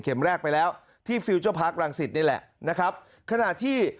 แรกไปแล้วที่ฟิลเจอร์พาร์ครังสิตนี่แหละนะครับขณะที่